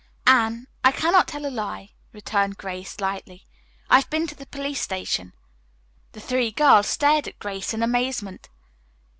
"Anne, I cannot tell a lie," returned Grace lightly. "I've been to the police station." The three girls stared at Grace in amazement.